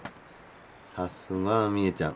さすが美恵ちゃん。